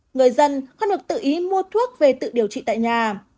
người dân có thể tự ý mua thuốc về tự điều trị tại nhà